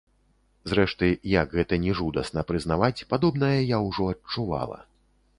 Зрэшты, як гэта ні жудасна прызнаваць, падобнае я ўжо адчувала.